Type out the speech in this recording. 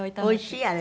おいしい？